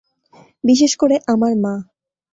বিশেষ করে আমার মা!